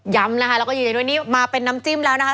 ย้ำนะคะแล้วก็อยู่ในนี้มาเป็นน้ำจิ้มแล้วนะคะ